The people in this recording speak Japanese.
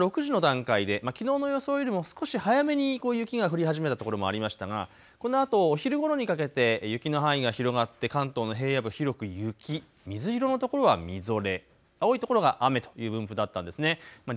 朝６時の段階できのうの予想よりも少し早めに雪が降り始めたところもありましたがこのあとお昼ごろにかけて雪の範囲が広がって関東の平野部、広く雪、水色の所はみぞれ、青い所が雨という分布。